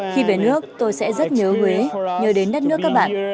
khi về nước tôi sẽ rất nhớ huế nhớ đến đất nước các bạn